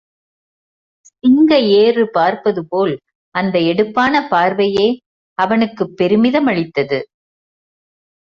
சிங்க ஏறு பார்ப்பது போல் அந்த எடுப்பான பார்வையே அவனுக்குப் பெருமிதமளித்தது.